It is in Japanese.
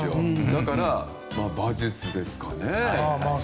だから、馬術ですかね。